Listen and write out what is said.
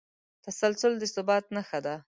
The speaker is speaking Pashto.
تسلسل د ثبات نښه ده.